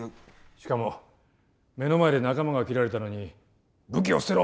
しかも目の前で仲間が斬られたのに「武器を捨てろ！